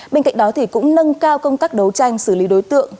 bên cạnh đó cũng nâng cao công tác đấu tranh xử lý đối tượng